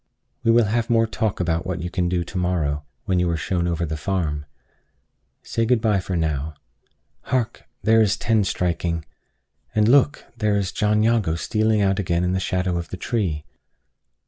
We will have more talk about what you can do to morrow, when you are shown over the farm. Say good by now. Hark! there is ten striking! And look! here is John Jago stealing out again in the shadow of the tree!